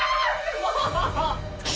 もう！